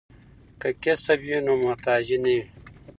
که کسب وي نو محتاجی نه وي.